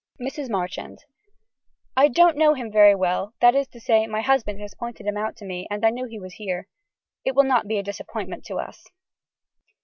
(Mrs. Marchand.) I don't know him very well that is to say my husband has pointed him out to me and I knew he was here. It will not be a disappointment to us.